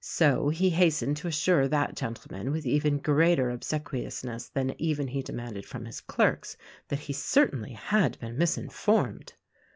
So he hastened to assure that gentleman — with even greater obsequiousness than even he demanded from his clerks — that he certainly had been misinformed.